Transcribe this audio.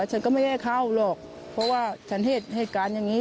ฉันก็ไม่ให้เข้าหรอกเพราะว่าฉันเห็นเหตุการณ์อย่างนี้